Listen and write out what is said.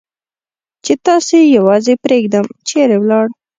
چې تاسې یوازې پرېږدم، چېرې ولاړ؟